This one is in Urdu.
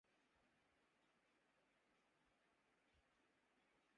غنچۂ گل پرفشاں پروانہ آسا جل گیا